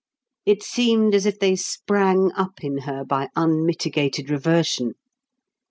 It seemed as if they sprang up in her by unmitigated reversion.